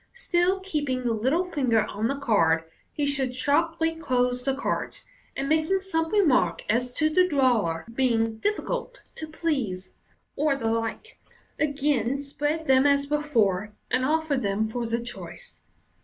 Still keeping the little finger on the card, he should sharply close the cards, and making some remark as to the drawer being "difficult to please," or the like, again spread them as before, and offer them for the choice.